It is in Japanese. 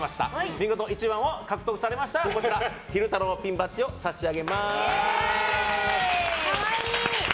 見事１番を獲得されましたら昼太郎ピンバッジを差し上げます。